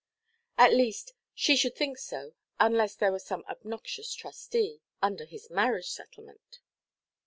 At least she should think so, unless there was some obnoxious trustee, under his marriage–settlement.